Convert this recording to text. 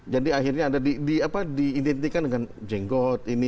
jadi akhirnya diidentifikkan dengan jenggot ini